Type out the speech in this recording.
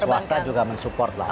swasta juga mensupport lah